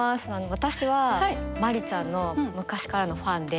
私は真里ちゃんの昔からのファンで。